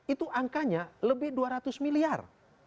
itu angkanya lebih dua ratus miliar